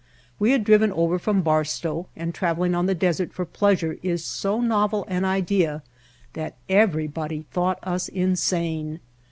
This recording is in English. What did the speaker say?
We had driven over from Barstow and traveling on the desert for pleasure is so novel an idea that everybody thought us insane.